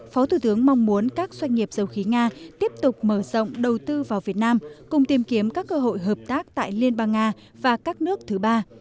phó thủ tướng mong muốn các doanh nghiệp dầu khí nga tiếp tục mở rộng đầu tư vào việt nam cùng tìm kiếm các cơ hội hợp tác tại liên bang nga và các nước thứ ba